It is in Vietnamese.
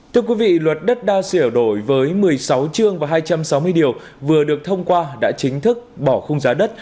thưa quý vị luật đất đa xỉa đổi với một mươi sáu chương và hai trăm sáu mươi điều vừa được thông qua đã chính thức bỏ khung giá đất